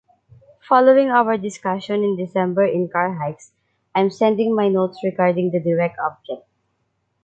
Following our discussion in December in Carhaix, I’m sending my notes regarding the Direct Object.